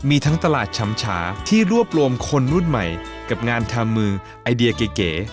มีทั้งตลาดชำฉาที่รวบรวมคนรุ่นใหม่กับงานทำมือไอเดียเก๋